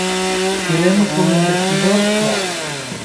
Queremos un investidor claro.